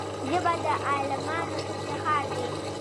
ژبه د عالمانو افتخار دی